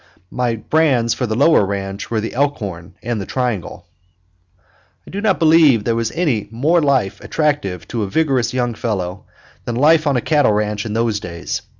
My brands for the lower ranch were the elkhorn and triangle. I do not believe there ever was any life more attractive to a vigorous young fellow than life on a cattle ranch in those days.